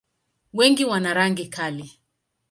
Wengi wana rangi kali.